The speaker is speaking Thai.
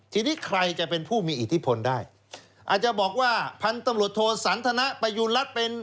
ทีนี้ใครจะเป็นผู้มีอิทธิพลได้อาจจะบอกว่าพันธุ์ตำรวจโทสันทนประยูณรัฐเป็น